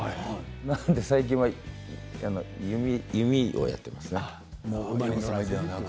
なので、最近は弓をやっていますね。